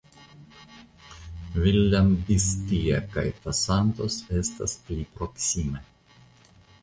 Villambistia kaj Tosantos estas pli proksime.